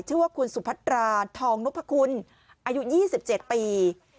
ชื่อว่าคุณสุภัตราทองนกพระคุณอายุยี่สิบเจ็ดปี